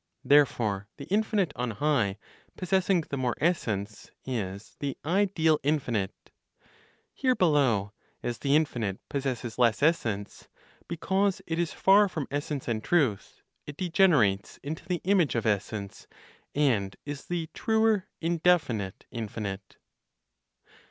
Therefore the infinite on high, possessing the more essence, is the ideal infinite; here below, as the infinite possesses less essence, because it is far from essence and truth, it degenerates into the image of essence, and is the truer (indefinite) infinite.